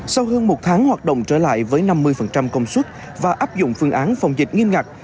sau hơn một tháng hoạt động trở lại với năm mươi công suất và áp dụng phương án phòng dịch nghiêm ngặt